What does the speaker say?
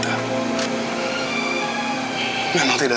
saya sangat ingin mengetahuinya